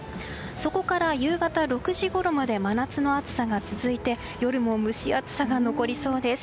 そこから夕方６時ごろまで真夏の暑さが続いて夜も蒸し暑さが残りそうです。